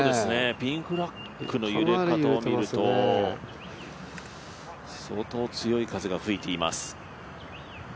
ピンフラッグの揺れ方を見ると相当強い風が吹いています。